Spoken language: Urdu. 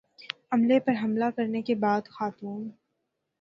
عملے پر حملہ کرنے کے بعد خاتون